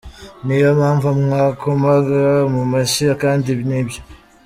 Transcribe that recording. Ni yo mpamvu mwakomaga mu mashyi kandi ni byo.